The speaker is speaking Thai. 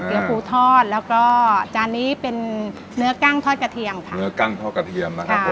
ปูทอดแล้วก็จานนี้เป็นเนื้อกั้งทอดกระเทียมค่ะเนื้อกั้งทอดกระเทียมนะคะ